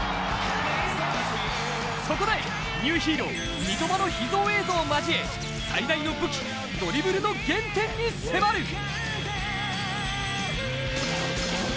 そこでニューヒーロー三笘の秘蔵映像を交え最大の武器・ドリブルの原点に迫る